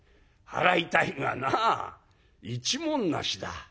払いたいがなあ一文無しだ」。